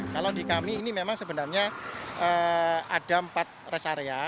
kalau di kami ini memang sebenarnya ada empat rest area